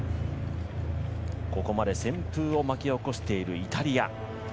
ここまで旋風を巻き起こしているイタリア。